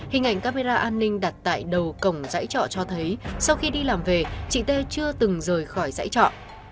hình ảnh camera an ninh đặt tại đầu cổng dãy trọ cho thấy sau khi đi làm về chị tê chưa từng rời khỏi dãy trọ